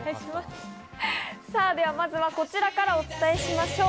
では、まずはこちらからお伝えしましょう。